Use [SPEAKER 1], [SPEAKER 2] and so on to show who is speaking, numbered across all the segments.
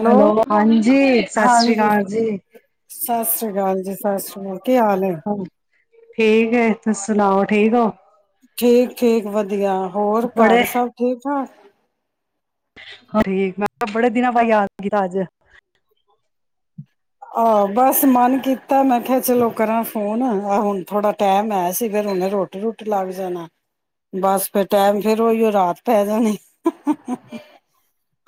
[SPEAKER 1] Hello,
[SPEAKER 2] ਹਾਂਜੀ ਸਤਿ ਸ੍ਰੀ
[SPEAKER 1] ਹਾਂਜੀ,
[SPEAKER 2] ਅਕਾਲ ਜੀ
[SPEAKER 1] ਸਤਿ ਸ੍ਰੀ ਅਕਾਲ ਜੀ, ਸਤਿ ਸ੍ਰੀ ਅਕਾਲ, ਕੀ ਹਾਲ ਏ।
[SPEAKER 2] ਠੀਕ ਏ ਤੁਸੀ ਸੁਣਾਓ ਠੀਕ ਓ।
[SPEAKER 1] ਠੀਕ, ਠੀਕ, ਵਧੀਆ। ਹੋਰ
[SPEAKER 2] ਬੜੇ
[SPEAKER 1] ਘਰ ਸਭ ਠੀਕ ਠਾਕ।
[SPEAKER 2] ਠੀਕ ਮੈਂ ਬੜੇ ਦਿਨਾਂ ਬਾਦ ਯਾਦ ਕੀਤਾ ਅੱਜ।
[SPEAKER 1] ਆਹ ਬਸ ਮਨ ਕੀਤਾ, ਮੈਂ ਕਿਹਾ ਚਲੋ ਕਰਾਂ ਫੋਨ ਆ ਹੁਣ ਥੋੜਾ ਟੈਮ ਹੈ ਸੀ ਫੇਰ ਹੁਨ ਰੋਟੀ ਰੁਟੀ ਲੱਗ ਜਾਨਾ, ਬਸ ਫੇਰ ਟੈਮ ਫਿਰ ਉਹੀਓ ਰਾਤ ਪੈ ਜਾਨੀ।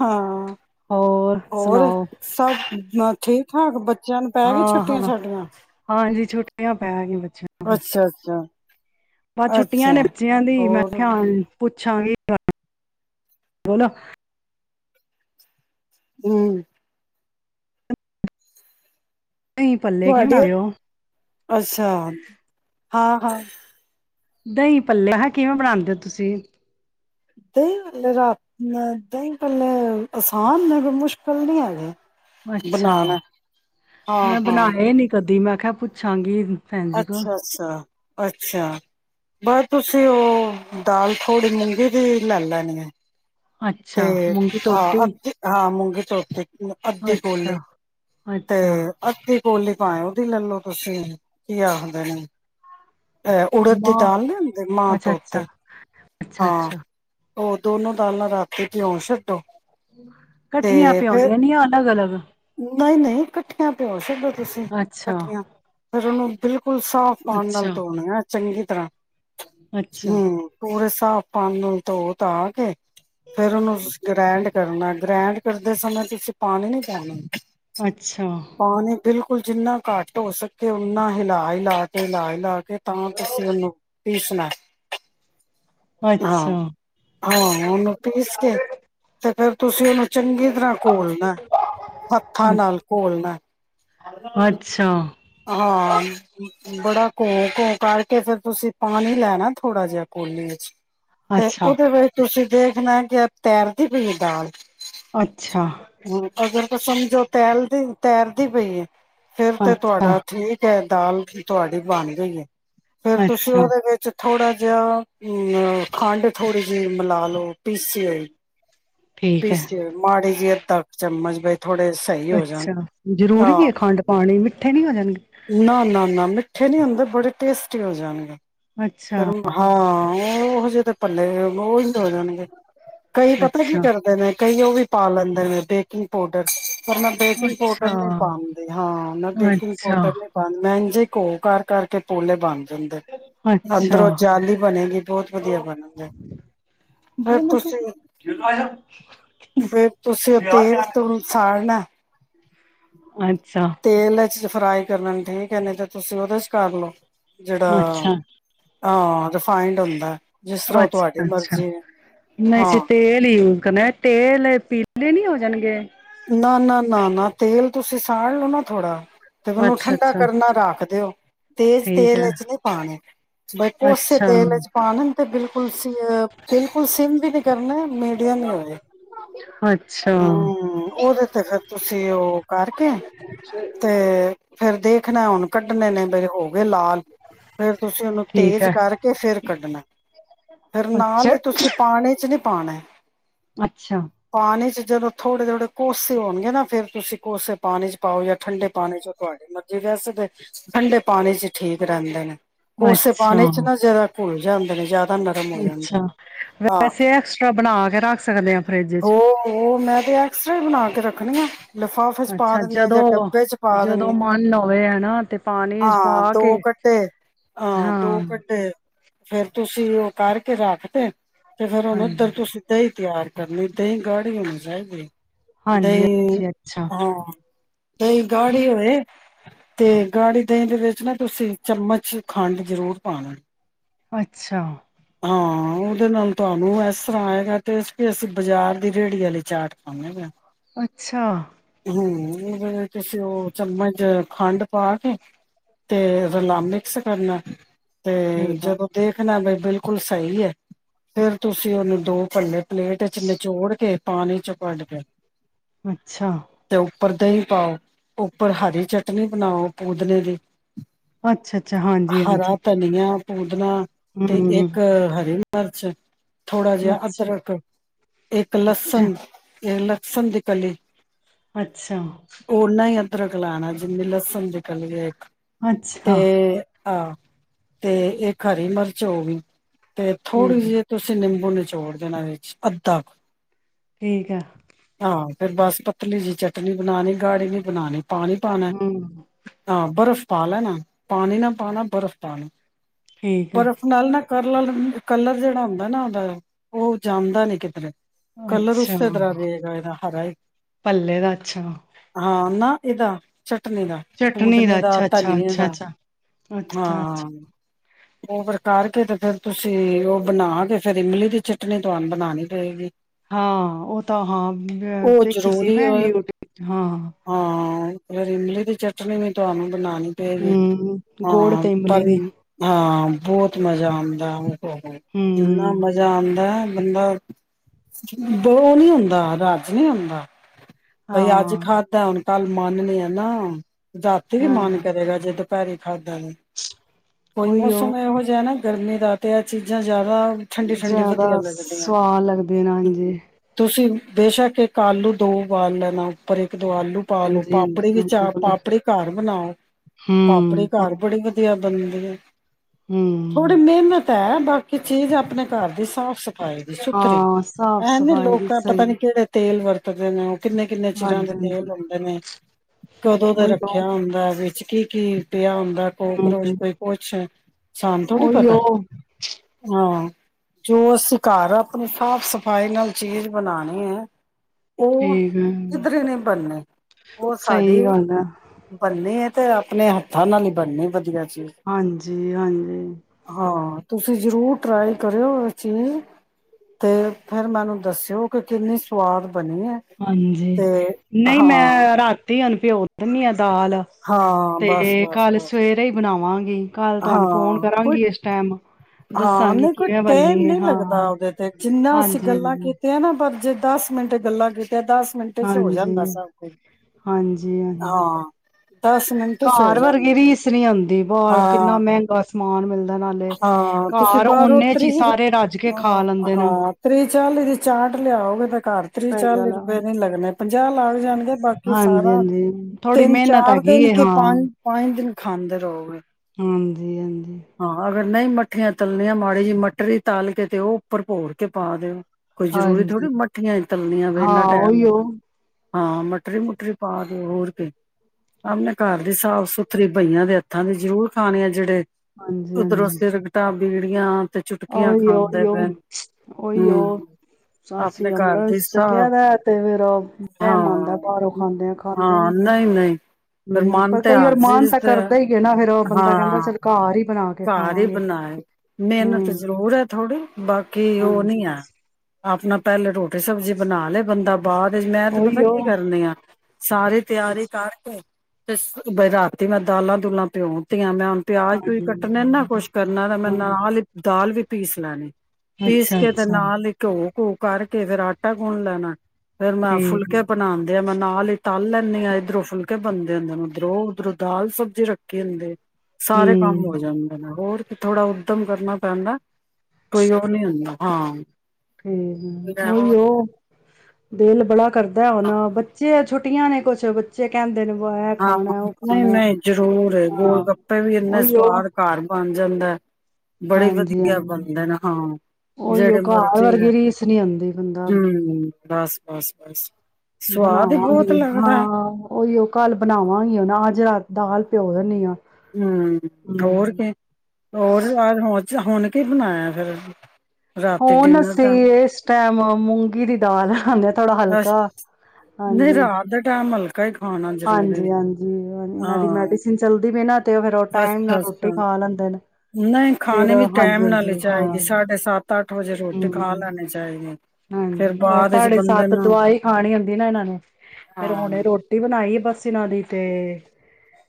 [SPEAKER 1] ਹਾਂ।
[SPEAKER 2] ਹੋਰ
[SPEAKER 1] ਹੋਰ
[SPEAKER 2] ਸੁਣਾਓ
[SPEAKER 1] ਸਭ [unintelligible] ਠੀਕ ਠਾਕ ਬੱਚ
[SPEAKER 2] ਹਾਂ, ਹਾਂ, ਹਾਂਜੀ ਛੁੱਟੀਆਂ ਪੈ ਗੀ ਬੱਚੇਆ।
[SPEAKER 1] ਅੱਛਾ, ਅੱਛਾ।
[SPEAKER 2] ਬਸ ਛੁੱਟੀਆਂ
[SPEAKER 1] ਅੱਛਾ
[SPEAKER 2] ਨੇ ਬੱਚਿਆਂ ਦੀ ਮੈਂ
[SPEAKER 1] ਹੋਰ
[SPEAKER 2] ਖਿਆ [unintelligible] ਪੁੱਛਾਂਗੀ। [unintelligible] ਬੋਲੋ।
[SPEAKER 1] ਹੁੰ।
[SPEAKER 2] ਦਹੀਂ ਪੱਲੇ ਕਿਵੇਂ
[SPEAKER 1] ਤੁਹਾਦੀਆਂ
[SPEAKER 2] ਬਣਾਦੇ ਹੋ
[SPEAKER 1] ਅੱਛਾ, ਹਾਂ, ਹਾਂ। [inaudible]
[SPEAKER 2] ਦਹੀਂ ਪੱਲੇ ਮੈ ਕਿਹਾ ਕਿਵੇਂ ਬਣਾਉਂਦੇ ਓ ਤੁਸੀਂ?
[SPEAKER 1] ਦਹੀਂ ਪੱਲੇ ਰਾਤ ਨ ਦਹੀਂ ਪੱਲੇ ਆਸਾਨ ਨੇ ਕੋਏ ਮੁਸ਼ਕਿਲ ਨੀ ਹੇਗੇ।
[SPEAKER 2] ਅੱਛਾ ਮੈਂ
[SPEAKER 1] ਹਾਂ-ਹਾਂ
[SPEAKER 2] ਬਨਾਏ ਨੀ ਕਦੀ, ਮੈਂ ਕਿਹਾ ਪੁੱਛਾਂਗੀ। ਭੈਣ ਜੀ ਕੋਲ
[SPEAKER 1] ਅੱਛਾ, ਅੱਛਾ। ਅੱਛਾ ਬਸ ਤੁਸੀਂ ਉ ਦਾਲ ਥੋੜ੍ਹੀ ਮੂੰਗੀ ਦੀ ਲੈ ਲੈਨੀ ਏ। ਤੇ
[SPEAKER 2] ਅੱਛਾ ਮੂੰਗੀ
[SPEAKER 1] [unintelligible]
[SPEAKER 2] ਧੋਤੀ
[SPEAKER 1] ਹਾਂ ਮੂੰਗੀ [unintelligible] ਅੱਧੀ ਕੋਲੀ
[SPEAKER 2] ਅੱਛਾ
[SPEAKER 1] ਤੇ
[SPEAKER 2] ਅੱਛਾ
[SPEAKER 1] ਅੱਧੀ ਕੋਲੀ ਭਾਏ ਉਹਦੀ ਲੈਲੋ ਤੁਸੀਂ। ਕੀ ਹਾਲ ਹੁੰਦੇ ਨੇ। ਅਹ ਉੜਦ ਦੀ
[SPEAKER 2] ਮਾਂ
[SPEAKER 1] ਦਾਲ ਲ ਹਦੇ ਮਾਂ
[SPEAKER 2] ਅੱਛਾ-ਅੱਛਾ,
[SPEAKER 1] ਤੋਤੇ ਹਾਂ
[SPEAKER 2] ਅੱਛਾ-ਅੱਛਾ।
[SPEAKER 1] ਉਹ ਦੋਨੋ ਦਾਲਾਂ ਰਾਤੀ ਭ ਆਉਣ ਛੱਡੋ ਤੇ
[SPEAKER 2] ਕੱਠੀਆਂ
[SPEAKER 1] ਫੇਰ
[SPEAKER 2] ਪਿਆਉਣੀਆਂ ਨੀਆਂ ਅਲੱਗ ਅਲੱਗ
[SPEAKER 1] ਨਹੀਂ ਨਹੀਂ ਇਕੱਠਿਆਂ ਪਿਓ ਛੱਡੋ ਅਸੀਂ
[SPEAKER 2] ਅੱਛਾ,
[SPEAKER 1] ਇਕੱਠੀਆਂ ਫਿਰ ਉਹਨੂੰ ਫੁ ਸਾਫ ਪਾਉਣ ਨਾਲ ਨਾਲ
[SPEAKER 2] ਅੱਛਾ,
[SPEAKER 1] ਤੋਣੂੰ ਹੈ ਚੰਗੀ ਤ੍ਹਾਂ
[SPEAKER 2] ਅੱਛਾ,
[SPEAKER 1] ਹਮ ਟੂਰਿਸ ਤਾਂਪਾਂ ਨੂੰ ਧੋ ਤ ਆ ਕੇ ਫੇਰ ਉਹਨੂੰ ਗ੍ਰੈਂਡ ਕਰਨਾ ਗ੍ਰੈਂਡ ਕਰਦੇ ਸਮੇਂ ਤੁਸੀਂ ਪਾਣੀ ਨੀ ਹਾਂ
[SPEAKER 2] ਅੱਛਾ
[SPEAKER 1] [unintelligible] ਜਿੰਨਾ ਘੱਟ ਹੋ ਸਕੇ ਓਨਾ ਹਿਲਾ ਹਿਲਾ ਤੇ ਹਿਲਾਏ ਲਾ ਤਮ ਤੱਸ ਨੂੰ ਪਸਣਾ ਹਾਂ
[SPEAKER 2] ਅੱਛਾ।
[SPEAKER 1] ਹਾਂ ਉਹਨੂੰ ਪੀਸ ਕੇ ਤੇ ਫਿਰ ਤੁਸੀਂ ਉਹ ਚੰਗੀ ਤਰ੍ਹਾਂ ਘੋਲਣਾ ਹੱਥਾਂ ਨਾਲ ਘੋਲਣਾ
[SPEAKER 2] ਅੱਛਾ,
[SPEAKER 1] ਹਾਂ ਬੜਾ ਘੋਂ ਘੋਂ ਕਰਕੇ ਫਰ ਤੁਸੀਂ ਪਾਣੀ ਲੈਣਾ ਥੋੜਾ ਜਿਹਾ ਕੋਲੇ ਵਿੱਚ ਤੇ
[SPEAKER 2] ਅੱਛਾ,
[SPEAKER 1] ਉਹਦੇ ਵਿੱਚ ਤੁਸੀਂ ਦੇਖਣਾ ਕਿ ਤੈਰਦੀ ਪਈ ਹੈ ਦਾਲ
[SPEAKER 2] ਅੱਛਾ,
[SPEAKER 1] ਹ ਅਗਰ ਤਾਂ ਸਮਝੋ ਤੇੈਲ ਤੈਰਦੀ ਪਈ ਹੈ ਫਿਰ ਤੇ
[SPEAKER 2] ਅੱਛਾ।
[SPEAKER 1] ਤੁਡਾ ਠੀਕ ਹੈ ਦਾਲ ਤੁਹਾਡੀ ਬਣ ਗਈ ਹੈ ਫੇਰ ਤੁਸੀਂ
[SPEAKER 2] ਅੱਛਾ,
[SPEAKER 1] ਉਹਦੇ ਵਿੱਚ ਥੋੜ੍ਹਾ ਜਿਹਾ ਅਮ ਖੰਡ ਥੋੜ੍ਹੀ ਜਿਹੀ ਮਿਲਾ ਲਓ ਪੀਸੀ ਹੋਈ
[SPEAKER 2] ਠੀਕ ਐ।
[SPEAKER 1] ਪੀਸ ਮੜ ਗ ਤੱਕ ਚਮਚ ਬੈ
[SPEAKER 2] ਅੱਛਾ ਜ਼ਰੂਰੀ ਹੈ ਖੰਡ ਪਾਣੀ ਮਿੱਠੇ ਨੀ ਹੋ ਜਾਣਗੇ
[SPEAKER 1] ਇਕਠੇ ਨੀ ਹੁੰਦਾ ਬੜੇ ਟੇਸਟੀ ਹੋ ਜਾਣਗੇ
[SPEAKER 2] ਅੱਛਾ,
[SPEAKER 1] ਪਰ ਹਾਂ ਹਾਂ ਹੋ ਜੇ ਪੱਲੇ ਉਹ ਹੋ ਜਾਣਗੇ ਕਈ ਪਤਾ ਕੀ
[SPEAKER 2] ਅੱਛਾ,
[SPEAKER 1] ਨੇ ਕਈ ਉਹ ਵੀ ਪਾ ਲੈਂਦੇ ਨੇ ਬੇਕਿੰਗ ਪਾਊਡਰ ਪਰ ਮੈਂ ਬੇਕਿੰਗ ਪਾਊਡਰ
[SPEAKER 2] ਅੱਛਾ,
[SPEAKER 1] ਨਹੀਂੀ ਪਾਂਦੀ ਹਾਂ ਮੈਂ ਬੇਕਿੰਗ ਪਾਊਡਰ ਨਹੀਂੀ ਪਾਂ ਮੈਂ ਇੇ ਘੋ ਕਰ ਕਰਕੇ ਪੋਲੇ ਬੰਦ ਅੰ
[SPEAKER 2] ਅੱਛਾ, ਅੱਛਾ।
[SPEAKER 1] ਅੰਦਰੋਂ ਜਾਲ ਹੀ ਬਣੇਗੀ ਬਹੁਤ ਵਧੀਆ ਬਣਗਾ ਫਿਰ
[SPEAKER 2] ਦੋ ਮਿੰਟ
[SPEAKER 1] ਤੁਸੀਂ
[SPEAKER 2] ਰੁਕ।
[SPEAKER 1] ਫੇਰ ਤੁਸੀਂ ਉਹ ਤੇਲ ਤੋਂ ਸਾੜਨਾ ਹਾਂ
[SPEAKER 2] ਅੱਛਾ ਅੱਛਾ,
[SPEAKER 1] ਤੇਲ ਫਰਾਈ ਕਰਨ ਠੀਕ ਹੈ ਨਹੀਂ ਤੇ ਤੁਸੀਂ ਉਹਦੇ ਚ ਕਰਲਓ ਜਿਹੜਾ ਹਾਂ ਰਿਫਾਇੰਡ ਹੁੰਦਾ ਜਿਸ ਤਰ੍ਹਾਂ ਉਹ ਤੁਹਾਡੀ
[SPEAKER 2] ਅੱਛਾ ਅੱਛਾ
[SPEAKER 1] ਮਰਜ਼ੀ ਹੈ
[SPEAKER 2] ਨਹੀਂ
[SPEAKER 1] ਹਾਂ
[SPEAKER 2] ਸੀੇ ਤੇਲ ਹੀ ਹੋ ਕਹਦੇ ਤੇਲ ਪੀਲੇ ਨੀ ਹੋ ਜਾਣਗੇ
[SPEAKER 1] ਨਾ ਨਾ ਨਾ ਨਾ ਤੇਲ ਤੁਸੀਂ ਸਾੜ ਲਓ ਨਾ ਥੋੜ੍ਹਾ ਤੇ ਉਹਨੂੰ
[SPEAKER 2] ਅੱਛਾ
[SPEAKER 1] ਠੰਡਾ
[SPEAKER 2] ਅੱਛਾ
[SPEAKER 1] ਕਰਨਾ ਰੱਖ ਦਿਓ ਤੇਜ਼
[SPEAKER 2] ਠੀਕ ਹੈ
[SPEAKER 1] ਤੇਲ ਚ ਨਹੀਂੀ ਪਾਉਣੇ ਬਈ ਕੋੋਸੇ
[SPEAKER 2] ਅੱਛਾ
[SPEAKER 1] ਤੇਲ ਚ ਪਾਉਣ ਤੇ ਬਿਲਕੁਲ ਸੀਹ ਬਿਲਕੁਲ ਸ ਨ ਕਰਨਾ ਮੀਡੀਅਮ ਹੀ ਹੋਵੇ
[SPEAKER 2] ਅੱਛਾ
[SPEAKER 1] ਹਮ ਉਹਦੇ ਤੇ ਫਿਰ ਤੁਸੀਂ ਉਹ ਕਰਕੇ ਤੇ ਫੇਰ ਦੇਖਣਾ ਹੁਣ ਕੱਢਣੇ ਨੇ ਮੇਰੇ ਹੋ ਗਏ ਲਾਲ ਫੇਰ ਤੁਸੀਂ ਉਹਨੂੰ
[SPEAKER 2] ਠੀਕ
[SPEAKER 1] ਤੇਜ਼
[SPEAKER 2] ਹੈ
[SPEAKER 1] ਕਰਕੇ ਫਿਰ ਕੱਢਣਾ ਫੇਿਰ ਨਾਲ
[SPEAKER 2] ਅੱਛਾ
[SPEAKER 1] ਹੀ ਤੁਸੀਂ ਪਾਣੀ ਚ ਨੀ ਪਾਉਣਾ
[SPEAKER 2] ਅੱਛਾ
[SPEAKER 1] ਜਦ ਥੋੜੇ ਥੋੜੇ ਕੋਸੇ ਹੋਣਗੇ ਨਾ ਫੇਿਰ ਤੁਸੀਂ ਕੋਸੇ ਪਾਣੀ ਚ ਪਾਓ ਜਾਂ ਠੰਡੇ ਪਾਣੀ ਚ ਤੁਹਾਡੀ ਮਰਜ਼ੀ ਵਹਿ ਸਕਦੇ ਠੰਡੇ ਪਾਣੀ ਚ ਠੀਕ ਰਹਿੰਦੇ ਨੇ ਕੋਸੇ ਪਾਣੀ
[SPEAKER 2] ਅੱਛਾ
[SPEAKER 1] ਚ ਨਾ ਜ਼ਿਆਦਾ ਘਲ ਜਾਂਦੇ ਨੇ ਜ਼ਿਆਦਾ ਨਰਮ ਹੋ ਜਾਂਦੇ
[SPEAKER 2] ਅੱਛਾ
[SPEAKER 1] ਹਾਂ
[SPEAKER 2] ਵੈਸੇ ਐਕਸਟਰਾ ਬਣਾ ਕੇ ਰੱਖ ਸਕਦੇ ਆਾਂ ਫਰਿੱਜ ਚ
[SPEAKER 1] ਐਕਸਰੇ ਬਣਾ ਕੇ ਰੱਖਣੀ ਆ ਲਿਫਾਫੇ ਚ ਪਾ
[SPEAKER 2] ਅੱਛਾ
[SPEAKER 1] ਦਿੰਦੇ ਹਾਂ ਜਾਂ
[SPEAKER 2] ਜਦੋਂ
[SPEAKER 1] ਡੱਬੇ ਚ ਪਾ ਦਿੰਦੇ
[SPEAKER 2] ਜਦੋਂ
[SPEAKER 1] ਹ
[SPEAKER 2] ਮਨ ਹੋਵੇ ਹਨਾ ਤੇ ਪਾਣੀ ਚ
[SPEAKER 1] ਹਾਂ
[SPEAKER 2] ਪਾ
[SPEAKER 1] ਦੋ
[SPEAKER 2] ਕੇ
[SPEAKER 1] ਕੱਢੇ ਹਾਂ ਦੋ ਕੱਢੇ ਫੇਰ ਤੁਸੀਂ ਚੀ ਉਹ ਕਰਕੇ ਰੱਖਦੇ ਤੇ ਫੇਰ
[SPEAKER 2] ਹਾਂਜੀ
[SPEAKER 1] ਉਹਨੂੰੱਧਰ ਤੂੰ ਸਿੱਧਾ ਹੀ ਤਿਆਰ ਕਰਨ ਨਹੀਂ ਦਹੀਂ ਗਾੜੀ ਹੋਣੀ ਚਾਹੀਦੀ
[SPEAKER 2] ਹਾਂਜੀ
[SPEAKER 1] ਨਹੀਂ
[SPEAKER 2] ਅੱਛਾ
[SPEAKER 1] ਹਾਂ [unintelligible] ਈ ਗਾੜੇ ਹੋਏ ਤੇ ਗਾੜੀ ਦਹੀਂ ਦੇ ਵਿੱਚ ਨਾ ਤੁਸੀਂ ਚਮਚ ਖੰਡ ਜ਼ਰੂਰ ਪਾਣਾ
[SPEAKER 2] ਅੱਛਾ
[SPEAKER 1] ਹਾਂ ਉਹਦੇ ਨਾਲ ਤੁਹਾਨੂੰ ਇਸ ਤਰ੍ਹਾਂ ਹੈਏਗਾ ਤੇ ਇਸ ਵੀ ਅਸੀਂ ਬਾਜ਼ਾਰ ਦੀ ਰੇਹੜੀ ਵਾਲੀ ਚਾਟ ਹਣੇ [unintelligible]
[SPEAKER 2] ਅੱਛਾ
[SPEAKER 1] ਜਿਵੇ ਤੁਸੀਂ ਉਹ ਚਮਚ ਖੰਡ ਪਾ ਕੇ ਤੇ ਰਲਾ ਮਿਕਸ ਕਰਨਾ ਤੇ
[SPEAKER 2] ਠੀਕ ਆ
[SPEAKER 1] ਜਦੋਂ ਦੇਖਣਾ ਬਈ ਬਿਲਕੁਲ ਸਹੀ ਹੈ ਫੇਰ ਤੁਸੀਂ ਉਹਨੂੰ ਦੋ ਭੱਲੇ ਪਲੇਟ ਚ ਨਿਚੋੜ ਕੇ ਪਾਣੀ ਚ ਪਡ ਪ [unintelligible]
[SPEAKER 2] ਅੱਛਾ
[SPEAKER 1] ਉੱਪਰ ਦਹੀਂ ਪਾਓ ਉੱਪਰ ਹਰੀ ਚਟਨੀ ਬਣਾਓ ਪੂਦਨੇ ਦੀ
[SPEAKER 2] ਅੱਛਾ ਅੱਛਾ ਹਾਂਜੀ
[SPEAKER 1] ਹਰਾ
[SPEAKER 2] ਹਾਂਜੀ
[SPEAKER 1] ਧਨੀਆ, [unintelligible] ਤੇ
[SPEAKER 2] ਹਮ
[SPEAKER 1] ਇੱਕ ਹਰੀ ਅੱਛਾ ਥੋੜਾ ਜਿਹਾ
[SPEAKER 2] ਅੱਛਾ,
[SPEAKER 1] ਅਦਰਕ ਇੱਕ
[SPEAKER 2] ਅੱਛਾ,
[SPEAKER 1] ਲਸਣ ਇਹ ਲਕਸਣ ਦੀ ਕਲੀ
[SPEAKER 2] ਅੱਛਾ,
[SPEAKER 1] ਓਨਾ ਹੀ [unintelligible] ਅਦਰਕ ਲਾਣਾ ਜਿੰਨੇ ਲਸਣ ਨਿਕਲ ਗਿਆ ਇੱਕ ਤੇ
[SPEAKER 2] ਅੱਛਾ
[SPEAKER 1] ਆਹ ਤੇ ਇਕ ਹਰੀ ਮਿਰਚ ਹੋ ਗੀ ਤੇ
[SPEAKER 2] ਠੀਕ
[SPEAKER 1] ਥੋੜੀ ਜਿਹੀ ਤੁਸੀਂ ਨਿੰਬੂ ਨ ਚੋੜ ਦੇਣਾ ਵਿਚਅੱਧਾ
[SPEAKER 2] ਠੀਕ ਐ
[SPEAKER 1] ਫੇਰ ਬਸ ਪਤਲੀ ਜਿਹੀ ਚਟਨੀ ਬਣਾਣੀ ਗਾੜੀ ਨੀ ਬਣਾਣੀ ਪਾਣੀ ਪਾਣਾ
[SPEAKER 2] ਹੂੰ,
[SPEAKER 1] ਐ ਬਰਫ਼ ਪਾ ਲੈਨਾ ਪਾਣੀ ਨਾ ਪਾਣਾ ਬਰਫ਼ ਪਾਨਾ
[SPEAKER 2] ਠੀਕ ਆ
[SPEAKER 1] ਬਰਫ਼ ਨਾਲ ਨਾ ਕਰਲਾ ਕਲਰ ਜਿਹੜਾ ਹੁੰਦਾ ਨਾ ਉਹਦਾ ਉਹ ਜਮਦਾ ਨੀ ਕਿਧਰੇ
[SPEAKER 2] ਅੱਛਾ
[SPEAKER 1] [unintelligible] ੇ ਤਰ੍ਹਾਂ ਦੇਗਾ ਇਹਦਾ ਹਰਾ [unintelligible]
[SPEAKER 2] ਭੱਲੇ ਦਾ ਅੱਛਾ
[SPEAKER 1] ਹਾਂ ਨਾ ਇਹਦਾ ਚਟਨੀ ਦਾ
[SPEAKER 2] ਚਟਨੀ
[SPEAKER 1] ਪੂਦਨ ਦਾ
[SPEAKER 2] ਅੱਛਾ, ਅੱਛਾ,
[SPEAKER 1] ਧਨੀਏ ਦਾ
[SPEAKER 2] ਅੱਛਾ, ਅੱਛਾ,
[SPEAKER 1] ਹਾਂ
[SPEAKER 2] ਅੱਛਾ, ਅੱਛਾ
[SPEAKER 1] ਉਹ ਵਰ ਕਰ ਕੇ ਤੇ ਫਿਰ ਤੁਸੀਂ ਉਹ ਬਣਾ ਕੇ ਫੇਿਰ ਇਮਲੀ ਦੀ ਚਟਨੀ ਤੁਹਾਨੂੰ ਬਣਾਉਣੀ ਪਏਗੀ
[SPEAKER 2] ਹਾਂ ਉਹ ਤਾਂ ਹਾਂ
[SPEAKER 1] ਉਹ
[SPEAKER 2] ਦੇਖੀ ਸੀ
[SPEAKER 1] ਜ਼ਰੂਰੀ
[SPEAKER 2] ਮੈਂ
[SPEAKER 1] ਉਹ
[SPEAKER 2] ਯੂਟਊਬ ਹਾਂ
[SPEAKER 1] ਚਟਣੀ ਵੀ ਤੁਹਾਨੂੰ ਬਣਾਣੀ ਪਏਗੀ
[SPEAKER 2] ਹੂੰ ਗੋੜ
[SPEAKER 1] ਹਾਂ
[SPEAKER 2] ਤੇ
[SPEAKER 1] ਪਰ
[SPEAKER 2] ਇਮਲੀ ਦੀ
[SPEAKER 1] ਹਾਂ ਬਹੁਤ ਮਜ਼ਾ ਆਉਂਦਾ ਉਹ
[SPEAKER 2] ਹੂੰ
[SPEAKER 1] ਇੰਨਾ ਮਜ਼ਾ ਆਂਦਾ ਮਤਲਬ ਉਹ ਨੀ ਹੁੰਦਾ ਰਾੱਜ ਨਹੀਂੀ ਹੁੰਦਾ ਬਈ ਅੱਜ
[SPEAKER 2] ਹਾਂ,
[SPEAKER 1] ਖਾਧਾ ਹੁਣ ਕੱਲ ਮੰਨਣੇ ਆ ਨਾ ਦਾਤੀ ਵੀ
[SPEAKER 2] ਹਾਂ
[SPEAKER 1] ਮਨ ਕਰੇਗਾ ਜਦ [unintelligible] ਕੋਈ
[SPEAKER 2] ਉਹੀਓ
[SPEAKER 1] ਮੌਸਮ ਇਹੋ ਜਿਹਾ ਨਾ ਗਰਮੀ ਦਾ ਤੇ ਇਹ ਚੀਜ਼ਾਂ ਜ਼ਦਾ
[SPEAKER 2] ਜ਼ਿਆਦਾ ਸੁਵਾਦ ਲੱਗਦੇ ਨੇ ਹਾਂ
[SPEAKER 1] ਹਮ
[SPEAKER 2] ਜੇ
[SPEAKER 1] ਤੁਸੀਂ ਬੇਸ਼ੱਕ ਇੱਕ ਆਲੂ ਦੋ ਬਾਲ ਲੈਣਾ ਉੱਪਰ ਇੱਕ ਦੋ ਆਲੂ ਪਾ ਲੋੋ
[SPEAKER 2] ਹਾਂਜੀ,
[SPEAKER 1] ਪਾਪੜੀ ਵਿੱਚ ਆ
[SPEAKER 2] ਹਾਂਜੀ
[SPEAKER 1] ਪਾਪੜੀ ਘਰ ਬਣਾਓ ਪਾਪੜੀ
[SPEAKER 2] ਹੂੰ,
[SPEAKER 1] ਘਰ ਬੜੀ ਵਧੀਆ [unintelligible] ਥੋੜੀ
[SPEAKER 2] ਹੂੰ
[SPEAKER 1] ਮਿਹਨਤ ਹੈ ਬਾਕੀ ਚੀਜ਼ ਆਪਣੇ ਘਰ ਦੀ ਸਾਫ਼ ਸੁ
[SPEAKER 2] ਹਾਂ
[SPEAKER 1] [unintelligible]
[SPEAKER 2] ਸਾਫ਼
[SPEAKER 1] ਇਨੇ
[SPEAKER 2] ਸਫ਼ਾਈ ਦੀ
[SPEAKER 1] ਲੋਕ ਆ
[SPEAKER 2] ਸਹੀ
[SPEAKER 1] ਪਤਾ ਨੀ ਕਿਹੜੇ ਤੇ ਮਲ ਬਰਤਦੇ ਨਾ ਕਿੰਨੇ ਕਿੰਨੇ ਚਿਰਾਂ
[SPEAKER 2] ਹਾਂਜੀ
[SPEAKER 1] ਦੇ
[SPEAKER 2] ਹਾਂਜੀ
[SPEAKER 1] ਤੇਲ ਹੁੰਦੇ ਨੇ ਕਦੋਂ ਦਾ
[SPEAKER 2] ਉਹੀ
[SPEAKER 1] ਰੱਖਿਆ ਹੁੰਦਾ ਵਿੱਚ ਕੀ ਕੀ ਪਿਆ ਹੁੰਦਾ ਕੋਕੋਚ
[SPEAKER 2] ਹੂੰ
[SPEAKER 1] ਕੋਈ ਕੁਛ ਸਾਨੂੰ ਥੋੜੀ
[SPEAKER 2] ਉਹੀ
[SPEAKER 1] ਪਤਾ
[SPEAKER 2] ਉਹ
[SPEAKER 1] ਹਾਂ ਜੋ ਅਸੀਿਕਾਰ ਆ ਆਪਣੇ ਸਾਫ਼ ਸ ਫਾਈ ਨਾਲ ਚੀਜ਼ ਬਣਾਉਣੀ ਹੈ ਉਹ
[SPEAKER 2] ਠੀਕ ਹੈ
[SPEAKER 1] ਕਿੱਧਰੇ ਨੇ ਬੰਨੇ ਉਹ
[SPEAKER 2] ਸਹੀ
[SPEAKER 1] ਸਾਡੇ
[SPEAKER 2] ਗੱਲ ਹੈ
[SPEAKER 1] ਬੰਨੇ ਹੈ ਤੇ ਆਪਣੇ ਹੱਥਾਂ ਨਾਲ ਨਿ ਬਣਨਨੀ ਵਧੀਆ ਚੀਜ਼
[SPEAKER 2] ਹਾਂਜੀ ਹਾਂਜੀ
[SPEAKER 1] ਹਾਂ ਤੁਸੀਂ ਜ਼ਰੂਰ ਟਰਾਈ ਕਰਿਓ ਇਹ ਚੀਜ਼ ਤੇ ਫੇਰ ਮੈਨੂੰ ਦੱਸਿਓ ਕਿ ਕਿੰਨੀ ਸਵਾਦ ਬਣੀ ਹੈ
[SPEAKER 2] ਹਾਂਜੀ
[SPEAKER 1] ਤੇ
[SPEAKER 2] ਨਹੀਂ
[SPEAKER 1] ਹਾਂ
[SPEAKER 2] ਮੈਂ ਰਾਤੀ ਅਣ ਭਿਓ ਦਿੰਦੀ ਹ ਦਾਲ
[SPEAKER 1] ਹਾਂ
[SPEAKER 2] ਤੇ
[SPEAKER 1] ਬਸ ਬਸ
[SPEAKER 2] ਕੱਲ
[SPEAKER 1] ਬਸ
[SPEAKER 2] ਸਵੇਰੇ ਹੀ ਬਣਾਵਾਂਗੀ ਕੱਲ ਤੁਹਾਨੂੰ ਫੋਨ
[SPEAKER 1] ਹਾਂ ਕੋਈ
[SPEAKER 2] ਕਰਾਂਗੀ ਇਸ ਟੈਮ
[SPEAKER 1] ਹਾਂ
[SPEAKER 2] ਦੱਸਾਂਗੀ
[SPEAKER 1] ਨਹੀਂ ਕੋਈ
[SPEAKER 2] ਕਿਵੇਂ ਬਣਨੀ
[SPEAKER 1] ਟਾਈਮ
[SPEAKER 2] ਏ
[SPEAKER 1] ਨਹੀਂ
[SPEAKER 2] ਹਾਂ
[SPEAKER 1] ਲੱਗਦਾ ਉਹਦੇ ਤੇ ਜਿੰਨਾ ਅਸੀਂ
[SPEAKER 2] ਹਾਂਜੀ
[SPEAKER 1] ਗੱਲਾਂ
[SPEAKER 2] ਹਾਂਜੀ
[SPEAKER 1] ਕੀਤੀਆਂ ਨਾ ਪਰ ਜੇ ਦਸ ਮਿੰਟ ਗੱਲਾਂ ਕੀਤੀ ਤੇ ਦਸ ਮਿੰਟ ਚ ਹੋ
[SPEAKER 2] ਹਾਂਜੀ
[SPEAKER 1] ਜਾਂਦਾ ਸਭ ਕੁਝ
[SPEAKER 2] ਹਾਂਜੀ ਹਾਂਜੀ
[SPEAKER 1] ਹਾਂ ਦਸ ਮਿੰਟ ਚ ਹੋ
[SPEAKER 2] ਘਰ ਵਰਗੀ
[SPEAKER 1] ਜਾਂਦਾ
[SPEAKER 2] ਰੀਸ ਨਹੀ ਆਉਂਦੀ ਬਾਰ
[SPEAKER 1] ਹਾਂ
[SPEAKER 2] ਕਿੰਨਾ ਮਹਿੰਗਾ ਸਮਾਨ ਮਿਲਦਾ ਨਾਲੇ
[SPEAKER 1] ਹਾਂ ਤੁਸੀਂ
[SPEAKER 2] ਘਰ
[SPEAKER 1] ਬਾਹਰੋਂ
[SPEAKER 2] ਓਨੇ ਚ ਹੀ
[SPEAKER 1] ਤੀ੍ਹ
[SPEAKER 2] ਸਾਰੇ ਰੱਜ ਕੇ ਖਾ ਲੈਂਦੇ ਨੇ।
[SPEAKER 1] ਹਾਂ ਤੀ੍ਹ ਚਾਲੀ ਦੀ ਚਾਰਟ ਲਿਆਓਗੇ ਤਾਂ ਘਰ ਤ੍ਰੀਹ
[SPEAKER 2] ਸਹੀ
[SPEAKER 1] ਚਾਲੀ
[SPEAKER 2] ਗੱਲ ਆ।
[SPEAKER 1] ਰੁਪਏ ਨੀ ਲੱਗਣੇ ਪੰਜਾਹ ਲੱਗ ਜਾਣਗੇ ਬਾਕੀ
[SPEAKER 2] ਹਾਂਜੀ
[SPEAKER 1] ਸਾਰਾ
[SPEAKER 2] ਹਾਂਜੀ ਥੋੜ੍ਹੀ
[SPEAKER 1] ਤਿੰਨ
[SPEAKER 2] ਮਿਹਨਤ
[SPEAKER 1] ਚਾਰ
[SPEAKER 2] ਹੈਗੀ
[SPEAKER 1] ਤਿੰਨ
[SPEAKER 2] ਹੈ
[SPEAKER 1] ਕਿ
[SPEAKER 2] ਹਾਂ
[SPEAKER 1] ਪੰਜ ਪੰਜ ਦਿਨ ਖਾਂਦੇ ਰਹੋਗੇ
[SPEAKER 2] ਹਾਂਜੀ
[SPEAKER 1] ਹਾਂ ਫੇਰ ਨਹੀਂ ਮੱਠੀਆਂ ਤਲਣੀਆਂ ਮਾੜੀ ਜਿਹੀ ਮਟਰੀ ਤਲ ਕੇ ਤੇ ਉਹ ਉੱਪਰ ਭੋਰ ਕੇ ਪਾ ਦਿਓ ਕੋਈ ਜ਼ਰੂਰੀ ਥੋੜ੍ਹੀ
[SPEAKER 2] ਹਾਂਜੀ
[SPEAKER 1] ਮੱਠੀਆਂ ਹੀ ਤਲਣੀਆਂ ਵੇ
[SPEAKER 2] ਹਾਂ
[SPEAKER 1] ਇੰਨਾ ਟੈਮ
[SPEAKER 2] ਉਹੀਓ
[SPEAKER 1] ਹਾਂ ਮਟਰੀ ਮੁਟਰੀ ਪਾ ਦਿਓ ਹੋਰ ਕੇ ਆਪਣੇ ਘਰ ਦੀ ਸਾਫ਼ ਸੁਥਰੀ ਬਹੀਆਂ ਦੇ ਹੱਥਾਂ ਦੀ ਜ਼ਰੂਰ ਖਾਣੇ ਆ ਜਿਹੜੇ
[SPEAKER 2] ਹਾਂਜੀ
[SPEAKER 1] ਉੱਧਰੋਂ
[SPEAKER 2] ਹਾਂਜੀ
[SPEAKER 1] ਸਿਰਗਟਾ ਬੀੜੀਆਂ ਤੇ ਚੁਟਕੀਆਂ
[SPEAKER 2] ਉਹੀ ਉਹੀ
[SPEAKER 1] ਖਾਂਦੇ ਪਏ
[SPEAKER 2] ਉਹੀ
[SPEAKER 1] ਨੇ। ਹੂੰ ਆਪਣੇ
[SPEAKER 2] ਸਸੀ ਓਹਿਓ
[SPEAKER 1] ਘਰ ਦੀ
[SPEAKER 2] ਅਮਿ੍ਤ ਛਕਿਆ
[SPEAKER 1] ਸਾਫ਼
[SPEAKER 2] ਦੈ ਤੇ ਫੇਰ ਵਹਿਮ ਆਨਦੈ
[SPEAKER 1] ਹਾਂ
[SPEAKER 2] ਬਾਹਰੋਂ ਖਾਂਦੇ ਆ ਖਾਂਦੇ
[SPEAKER 1] ਹਾਂ
[SPEAKER 2] ਨੀ
[SPEAKER 1] ਨਹੀਂ ਨਹੀਂ ਫਿਰ
[SPEAKER 2] ਹਮ
[SPEAKER 1] ਮਨ
[SPEAKER 2] ਪਰ
[SPEAKER 1] ਤੇ
[SPEAKER 2] ਕਈ ਵਾਰ ਮਾਣ
[SPEAKER 1] ਹਾਜ਼ਰ
[SPEAKER 2] ਤਾਂ
[SPEAKER 1] ਤੇ
[SPEAKER 2] ਕਰਦਾ ਹੀ ਗ ਨਾ ਫੇਰ ਬੰਦਾ ਕਹਿੰਦਾ ਚੱਲ
[SPEAKER 1] ਹਾਂ
[SPEAKER 2] ਘਰ ਹੀ ਬਣਾ ਕੇ
[SPEAKER 1] ਘਰ ਹੀ
[SPEAKER 2] ਖਾਵਾਂਗੇ।
[SPEAKER 1] ਬਣਾਏ ਮਿਹਨਤ
[SPEAKER 2] ਹੂੰ,
[SPEAKER 1] ਜ਼ਰੂਰ ਹੈ ਥੋੜੀ ਬਾਕੀ ਉਹ ਨੀ ਹੈ
[SPEAKER 2] ਹਾਂਜੀ-ਹਾਂਜੀ,
[SPEAKER 1] ਆਪਣਾ ਪਹਿਲੇ ਰੋਟੀ ਸਬਜ਼ੀ ਬਣਾ ਲਏ ਬੰਦਾ ਬਾਅਦ ਚ ਮੈਂ ਤੇ ਪਤਾ
[SPEAKER 2] ਉਹੀਓ
[SPEAKER 1] ਕੀ ਕਰਨੀ ਆ ਸਾਰੀ ਤਿਆਰੀ
[SPEAKER 2] ਅੱਛਾ
[SPEAKER 1] ਕਰਕੇ ਤੇ ਰਾਤੀ ਮੈਂ ਦਾਲਾਂ ਦੁਲਾਂ ਪਿਓ ਤਿਆਂ ਮੈਂ ਪਿਆਜ ਤੁਸੀਂ
[SPEAKER 2] ਹਾਂਜੀ,
[SPEAKER 1] ਨਾ ਨਾ ਕੁੱਛ ਕਰਨਾ ਨਾ ਮੈਂ
[SPEAKER 2] ਹਾਂਜੀ,
[SPEAKER 1] ਨਾਲ ਹੀ ਦਾਲ ਤੁਸੀਂ ਪੀਸ ਲੈਣੀ ਪੀਸ ਕੇ ਤੇ
[SPEAKER 2] ਅੱਛਾ-ਅੱਛਾ
[SPEAKER 1] ਨਾਲ ਹੀ ਘਿਓ ਘੋ ਕਰਕੇ ਫੇਰ ਆਟਾ ਗੁਣ ਲੈਣਾ ਫੇਰ ਮੈਂ
[SPEAKER 2] ਠੀਕ ਐ,
[SPEAKER 1] ਫੁਲਕੇ ਬਣਾਉਣਦੇਿਆਂ ਮੈਂ ਨਾਲ ਹੀ ਤਲ ਲੈਂਦੀ ਹਾਂ ਇੱਧਰੋਂ ਫੁਲਕੇ ਬਣਦੇ ਨੇ ਉਧਰੋਂ ਉੱਧਰੋਂ ਦਾਲ ਸਬਜ਼ੀ ਰੱਖੀ ਹੁੰਦੀ ਸਾਰੇ
[SPEAKER 2] ਹਮ
[SPEAKER 1] ਕੰਮ ਹੋ ਹੋਰ ਕੀ ਥੋੜਾ ਉਦਮ ਕਰਨਾ ਪੈਂਦਾ ਕੋਈ ਉਹ ਨੀ ਹੁੰਦਾ ਹਾਂ
[SPEAKER 2] ਠੀਕ ਉਹੀ ਉਹ ਦਿਲ ਬੜਾ ਕਰਦਾ ਉਹਨਾ ਬੱਚੇ ਆ ਛੋਟੇ ਨੇ ਕੁਛ ਬੱਚੇ ਕਹਿੰਦੇ ਨੇ ਵਾ ਇਹ
[SPEAKER 1] ਹਾਂ
[SPEAKER 2] ਖਾਣਾ ਉਹ
[SPEAKER 1] ਨਹੀਂ
[SPEAKER 2] ਖਾਣਾ
[SPEAKER 1] ਨਹੀਂ ਜ਼ਰੂਰ ਗੋਲ
[SPEAKER 2] ਹਾਂ,
[SPEAKER 1] ਗੱਪੇ ਵੀ ਇੰਨੇ
[SPEAKER 2] ਉਹੀਓ
[SPEAKER 1] ਸਵਾਦ ਘਰ ਬਣ ਜਾਂਦਾ ਬੜੇ ਵਧੀਆ
[SPEAKER 2] ਹਾਂਜੀ-ਹਾਂਜੀ,
[SPEAKER 1] ਬਣਦੇ ਨੇ ਹਾਂ
[SPEAKER 2] ਉਹੀਓ
[SPEAKER 1] ਜਿਹੜੇ
[SPEAKER 2] ਘਰ
[SPEAKER 1] ਮਰਜ਼ੀ ਨੇ
[SPEAKER 2] ਵਰਗੀ ਰੀਸ ਨੀ ਆਂਦੀ ਬੰਦਾ
[SPEAKER 1] ਹਮ ਬਸ ਬਸ ਬਸ ਸਵਾਦ ਹੀ
[SPEAKER 2] ਬਣਾਵਾਂ
[SPEAKER 1] ਬਹੁਤ
[SPEAKER 2] ਹਾਂ
[SPEAKER 1] ਲੱਗਦਾ
[SPEAKER 2] ਉਹੀ ਉਹ ਕੱਲ ਬਣਾਵਾਂੀਆਂ ਨਾ ਅੱਜ ਰਾ ਦਾਾਲਲ ਪਿਓਣ
[SPEAKER 1] ਹਮ ਹੋਰ ਕਿ ਹੋਰ ਹੋ ਹੁਣ ਕੀ ਬਣਾਇਆ ਫੇਿਰ
[SPEAKER 2] ਹੋੁਣਸੀਂ ਟਮ ਮੂੰਗੀ ਦੀ ਦਾਲ ਖਾਂਦੇ ਥੋੜਾ
[SPEAKER 1] ਅ
[SPEAKER 2] ਹਲਕਾ
[SPEAKER 1] ਨਹੀਂ
[SPEAKER 2] ਹਾਂਜੀ
[SPEAKER 1] ਰਾਤ ਦਾ ਟੈਮ ਹਲਕਾ ਹੀ ਖਾਣਾ
[SPEAKER 2] ਹਾਂਜੀ
[SPEAKER 1] ਜ਼ਰੂਰੀ
[SPEAKER 2] ਹਾਂਜੀ ਇਹਨਾਂ ਦੀ ਮੈਡੀਸਿਨ ਚੱਲਦੀ ਵੀ ਇਹਨਾਂ
[SPEAKER 1] ਅੱਛਾ ਅੱਛਾ ਨਹੀਂ
[SPEAKER 2] ਫੇਰ
[SPEAKER 1] ਖਾਣੇ ਵੀ
[SPEAKER 2] ਹਾਂਜੀ
[SPEAKER 1] ਟੈਮ ਨਾਲ ਹੀ
[SPEAKER 2] ਹਾਂਜੀ ਹਾਂ
[SPEAKER 1] ਚਾਹੀਦੀ ਸਾਡੇ ਸੱਤ ਅੱਠ ਵਜੇ ਰੋਟੀ ਖਾ
[SPEAKER 2] ਹੂੰ
[SPEAKER 1] ਲੈਣੀ ਚਾਹੀਦੀ ਫਿਰ
[SPEAKER 2] ਹਾਂਜੀ
[SPEAKER 1] ਬਾਅਦ ਚ
[SPEAKER 2] ਸਾਡੇ
[SPEAKER 1] ਬੰਦੇ
[SPEAKER 2] ਸੱਤ
[SPEAKER 1] ਨੂੰ
[SPEAKER 2] ਦਵਾਈ ਖਾਣੀ ਹੁੰਂਦੀ ਨਾ ਇਹਨਾਂ ਨੇ ਫੇਿਰ
[SPEAKER 1] ਹਾਂ
[SPEAKER 2] ਹੁਣੇ ਰੋਟੀ ਬਣਾਈ ਹੈ ਬਸ ਚ ਨਾ ਦੇ ਤੇ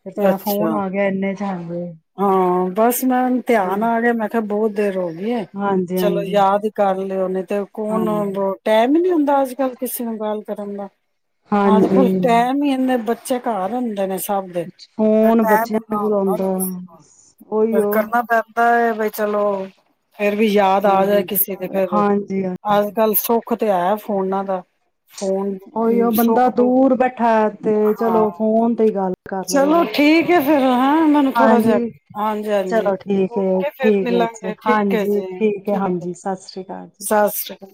[SPEAKER 2] ਫਿਰ ਤੁਹਾਡਾ
[SPEAKER 1] ਅੱਛਾ
[SPEAKER 2] ਫੋਨ ਆ ਗਿਆ ਇੰਨੇ ਚ ਹਾਂਜੀ
[SPEAKER 1] ਹਾਂ ਬਸ ਮੈਂਣ
[SPEAKER 2] ਹਾਂ
[SPEAKER 1] ਧਿਆਨ ਆ ਗਿਆ ਮੈਂ ਕਿਹਾ ਬਹੁਤ ਦੇਰ ਹੋ ਗਈ
[SPEAKER 2] ਹਾਂਜੀ
[SPEAKER 1] ਚਲੋ
[SPEAKER 2] ਹਾਂਜੀ
[SPEAKER 1] ਯਾਦ ਕਰ [unintelligible] ਤੇ ਕੌਣ
[SPEAKER 2] ਹਾਂਜੀ
[SPEAKER 1] ਟੈਮ ਹੀ ਨੀ ਹੁੰਦਾ ਅੱਜ ਕੱਲ ਕਿਸੇ ਨੂੰ ਗੱਲ ਕਰਨ ਦਾ ਅੱਜ ਕੱਲ
[SPEAKER 2] ਹਾਂਜੀ
[SPEAKER 1] ਟੈਮ ਹੀ ਆਦੇ ਬੱਚੇ [unintelligible] ਸਭ ਦੇ ਫਿਰ
[SPEAKER 2] ਫੋਨ
[SPEAKER 1] ਟੈਮ
[SPEAKER 2] ਬੱਚਿਆਂ
[SPEAKER 1] ਇੰਨਾ
[SPEAKER 2] ਦੇ ਕੋਲ
[SPEAKER 1] ਹੁੰਦਾ ਨੀ
[SPEAKER 2] ਆਉਂਦਾ
[SPEAKER 1] ਕਿਸੇ
[SPEAKER 2] ਉਓਹੀ ਉਹ
[SPEAKER 1] ਬਾਈ ਚਲੋ ਫੇਰ ਵੀ ਯਾਦ ਆ ਜਾਏ
[SPEAKER 2] ਹਾਂਜੀ,
[SPEAKER 1] ਕਿਸੇ ਦੇ ਫਿਰ
[SPEAKER 2] ਹਾਂਜੀ, ਹਾਂ
[SPEAKER 1] ਅੱਜ ਕੱਲ ਸੁੱਖ ਤੇ ਹੈ ਫੋਨਾਂ ਦਾ ਫੋਨ
[SPEAKER 2] ਉਹੀ ਉਹ
[SPEAKER 1] ਸੁੱਖ
[SPEAKER 2] ਬੰਦਾ ਦੂਰ ਬੈਠਾ ਤੇ
[SPEAKER 1] ਹਾਂ
[SPEAKER 2] ਚਲੋ ਫੋਨ ਤੇ ਹੀ ਗੱਲ ਕਰ
[SPEAKER 1] ਚਲੋ
[SPEAKER 2] ਲੈਂਦਾ।
[SPEAKER 1] ਠੀਕ ਹੈ ਫੇਿਰ ਹੈਾਂ ਮੈਨੂੰ ਥੋੜਾ ਜਹਾ
[SPEAKER 2] ਹਾਂਜੀ,
[SPEAKER 1] ਹਾਂਜੀ ਹਾਂਜੀ
[SPEAKER 2] ਚਲੋ ਠੀਕ
[SPEAKER 1] ਉਠ
[SPEAKER 2] ਹੈ,
[SPEAKER 1] ਕੇ ਫਿਰ
[SPEAKER 2] ਠੀਕ ਹੈ ਅੱਛਾ,
[SPEAKER 1] ਮਿਲਾਂਗੇ ਠੀਕ ਹੈ
[SPEAKER 2] ਹਾਂਜੀ
[SPEAKER 1] ਜੀ
[SPEAKER 2] ਹੈ,
[SPEAKER 1] ਠੀਕ
[SPEAKER 2] ਹਾਂਜੀ ਸਤਿ ਸ੍ਰੀ ਅਕਾਲ ਜੀ।
[SPEAKER 1] ਸਤਿ ਸ੍ਰੀ ਅਕਾਲ